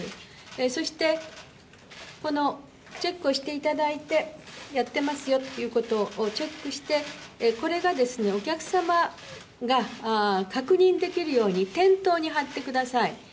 そして、このチェックをしていただいて、やってますよということをチェックして、これがお客様が確認できるように、店頭に貼ってください。